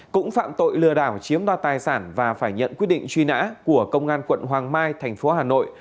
cũng phạm tội lừa đảo chiếm đoạt tài sản và phải nhận quyết định truy nã của công an quận hoàng mai thành phố hà nội